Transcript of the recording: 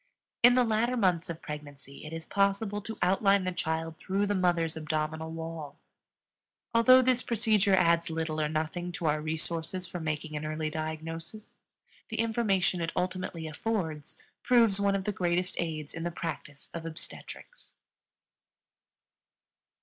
In the latter months of pregnancy it is possible to outline the child through the mother's abdominal wall. Although this procedure adds little or nothing to our resources for making an early diagnosis, the information it ultimately affords proves one of the greatest aids in the practice of obstetrics.